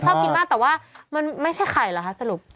แต่ว่ามันไม่ใช่ไข่หรือคะสรุป